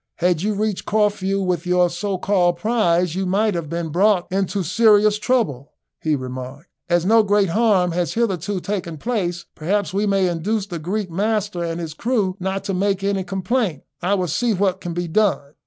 "Had you reached Corfu with your so called prize, you might have been brought into serious trouble," he remarked. "As no great harm has hitherto taken place, perhaps we may induce the Greek master and his crew not to make any complaint. I will see what can be done."